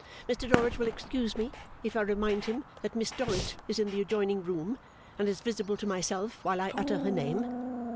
Mr Dorrit will excuse me if I remind him that Miss Dorrit is in the adjoining room, and is visible to myself while I utter her name.